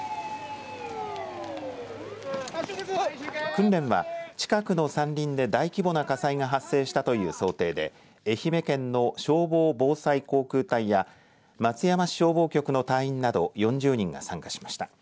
訓練は近くの山林で大規模な火災が発生したという想定で愛媛県の消防防災航空隊や松山市消防局の隊員など４０人が参加しました。